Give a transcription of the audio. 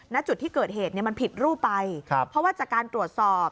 ณจุดที่เกิดเหตุเนี่ยมันผิดรูปไปครับเพราะว่าจากการตรวจสอบ